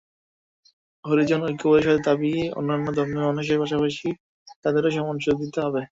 হরিজন ঐক্য পরিষদের দাবি, অন্যান্য ধর্মের মানুষের পাশাপাশি তাদেরও সমান সুযোগ দিতে হবে।